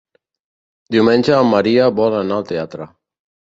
Diumenge en Maria vol anar al teatre.